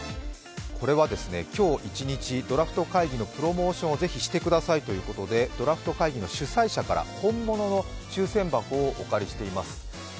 これは、今日一日、ドラフト会議のプロモーションをぜひしてくださいということで、ドラフト会議の主催者から本物の抽選箱をお借りしています。